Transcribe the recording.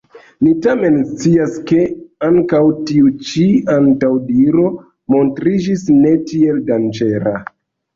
Ni tamen scias, ke ankaŭ tiu ĉi antaŭdiro montriĝis ne tiel danĝera.